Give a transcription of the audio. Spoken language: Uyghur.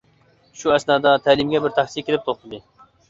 شۇ ئەسنادا تەلىيىمگە بىر تاكسى كېلىپ توختىدى.